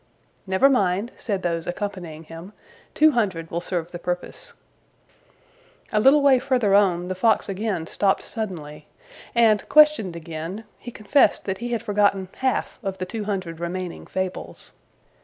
"Never mind," said those accompanying him, "two hundred will serve the purpose." A little way further on the fox again stopped suddenly, and, questioned again, he confessed that he had forgotten half of the two hundred remaining fables.